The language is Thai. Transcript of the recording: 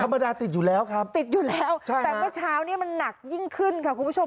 ธรรมดาติดอยู่แล้วครับติดอยู่แล้วใช่แต่เมื่อเช้านี้มันหนักยิ่งขึ้นค่ะคุณผู้ชม